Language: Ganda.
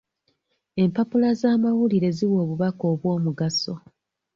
Empapula z'amawulire ziwa obubaka obw'omugaso.